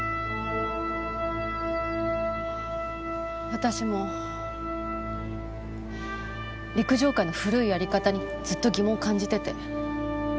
私も陸上界の古いやり方にずっと疑問を感じてて。